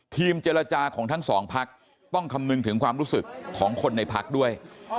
ทีมเจรจาของทั้งสองพักต้องคำนึงถึงความรู้สึกของคนในพักด้วย